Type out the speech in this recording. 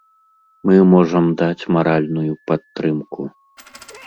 Мы можам даць маральную падтрымку.